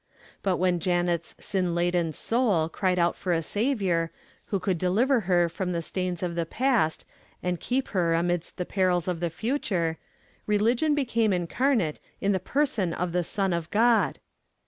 But when Janet's sin laden soul cried out for a Saviour Who could deliver her from the stains of the past, and keep her amidst the perils of the future, religion became incarnate in the Person of the Son of God!